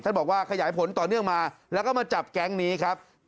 บอกว่าขยายผลต่อเนื่องมาแล้วก็มาจับแก๊งนี้ครับ